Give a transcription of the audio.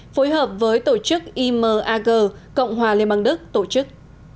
phối hợp với tổ chức imag cộng hòa liên bang đức tổ chức